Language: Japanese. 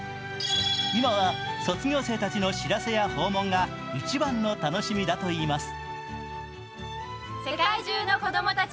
今は卒業生たちの知らせや訪問が一番の楽しみだといいます。